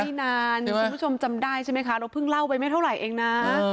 ไม่นานคุณผู้ชมจำได้ใช่ไหมคะเราเพิ่งเล่าไปไม่เท่าไหร่เองนะ